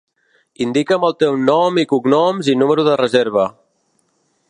Indica'm el teu nom i cognoms i número de reserva.